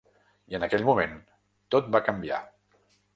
I en aquell moment tot va canviar.